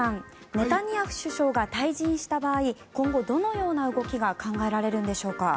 ネタニヤフ首相が退陣した場合今後、どのような動きが考えられるんでしょうか。